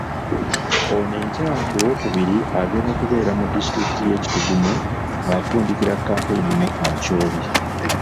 Ono enkya ku Lwokubiri agenda kubeera mu disitulikiti y'e Kitgum ng'afundikira kampeyini mu Acholi.